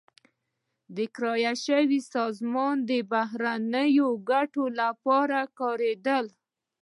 دا کرایه شوې سازمان د بهرنیو ګټو لپاره کارېدل.